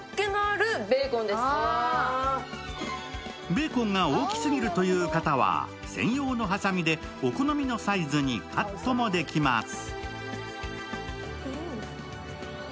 ベーコンが大きすぎるという方は専用のはさみでお好みのサイズにカットもできます。